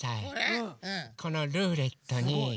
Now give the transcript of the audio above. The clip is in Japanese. このルーレットに。